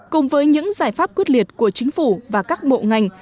cùng với những giải pháp quyết liệt của chính phủ và các bộ ngành